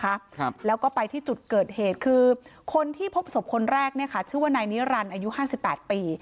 ครับแล้วก็ไปที่จุดเกิดเหตุคือคนที่พบศพคนแรกเนี้ยค่ะชื่อว่านายนิรันดิ์อายุห้าสิบแปดปี